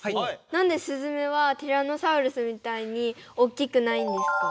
なんでスズメはティラノサウルスみたいに大きくないんですか？